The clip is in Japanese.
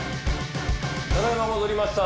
ただ今戻りました。